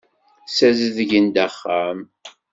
Ssazedgen-d axxam.